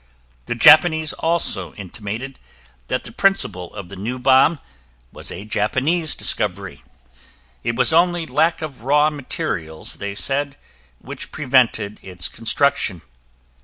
The Japanese also intimated that the principle of the new bomb was a Japanese discovery. It was only lack of raw materials, they said, which prevented its construction.